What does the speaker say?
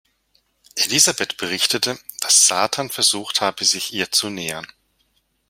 Elisabeth berichtete, dass Satan versucht habe, sich ihr zu nähern.